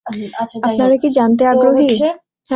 আপনারা কি জানতে আগ্রহী?